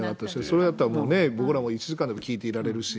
それだったら僕らも１時間でも聴いていられるし。